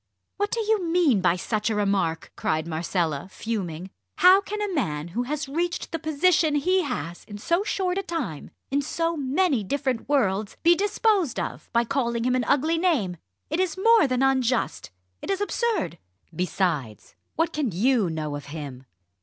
"What do you mean by such a remark," cried Marcella, fuming. "How can a man who has reached the position he has in so short a time in so many different worlds be disposed of by calling him an ugly name? It is more than unjust it is absurd! Besides, what can you know of him?"